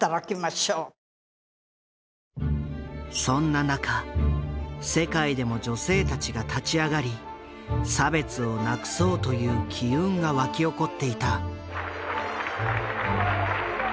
そんな中世界でも女性たちが立ち上がり差別をなくそうという機運が沸き起こっていた。